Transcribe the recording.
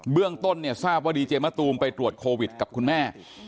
เรื่องต้นเนี่ยทราบว่าดีเจมะตูมไปตรวจโควิดกับคุณแม่